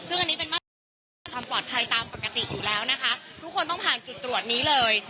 ซึ่งอันนี้เป็นมาตรการรักษาความปลอดภัยตามปกติอยู่แล้วนะคะทุกคนต้องผ่านจุดตรวจนี้เลย